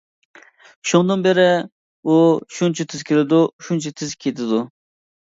شۇنىڭدىن بېرى، ئۇ شۇنچە تېز كېلىدۇ، شۇنچە تېز كېتىدۇ.